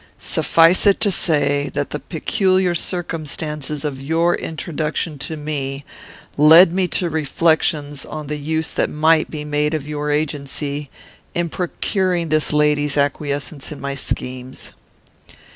Suffice it to say that the peculiar circumstances of your introduction to me led me to reflections on the use that might be made of your agency, in procuring this lady's acquiescence in my schemes.